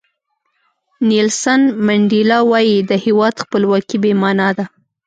نیلسن منډیلا وایي د هیواد خپلواکي بې معنا ده.